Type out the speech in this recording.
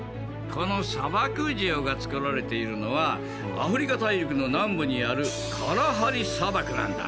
この砂漠塩が作られているのはアフリカ大陸の南部にあるカラハリ砂漠なんだ。